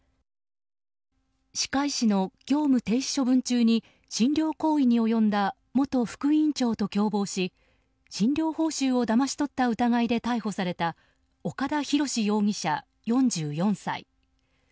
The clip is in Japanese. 歯科医師の業務停止処分中に診療行為に及んだ元副院長と共謀し診療報酬をだまし取った疑いで逮捕された岡田洋容疑者、４４歳。